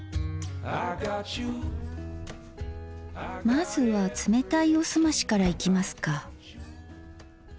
まずは冷たいおすましからいきますか。